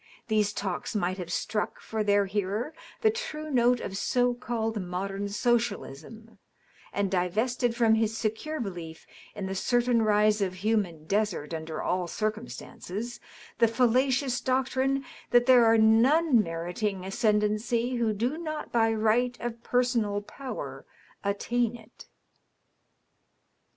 These talks mignt have struck for their hearer the true note of so called modern socialism, and divested from his secure belief in the certain rise of human desert under all circumstances, the ' fallacious doctrine that there are none meriting ascendency who do not by right of personal power attain it.